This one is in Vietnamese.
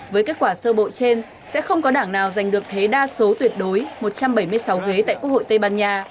với kết quả sơ bộ trên sẽ không có đảng nào giành được thế đa số tuyệt đối một trăm bảy mươi sáu ghế tại quốc hội tây ban nha